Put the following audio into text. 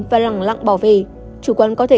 và lặng lặng bỏ về chủ quán có thể